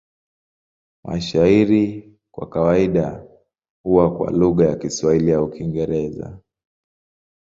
Mashairi kwa kawaida huwa kwa lugha ya Kiswahili au Kiingereza.